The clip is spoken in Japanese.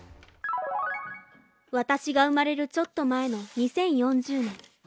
私が生まれるちょっと前の２０４０年。